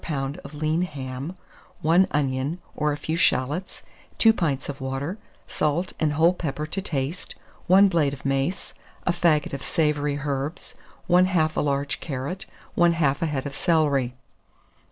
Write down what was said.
of lean ham, 1 onion or a few shalots, 2 pints of water, salt and whole pepper to taste, 1 blade of mace, a faggot of savoury herbs, 1/2 a large carrot, 1/2 a head of celery.